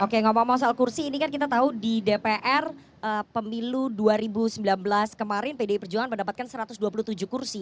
oke ngomong ngomong soal kursi ini kan kita tahu di dpr pemilu dua ribu sembilan belas kemarin pdi perjuangan mendapatkan satu ratus dua puluh tujuh kursi